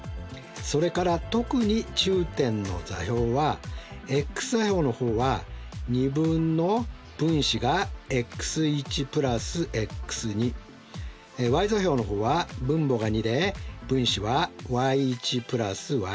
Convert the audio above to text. それから特に中点の座標はｘ座標の方は２分の分子がｘ＋ｘｙ座標の方は分母が２で分子はｙ＋ｙとなるわけです。